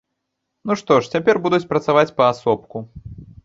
Ну, што ж, цяпер будуць працаваць паасобку.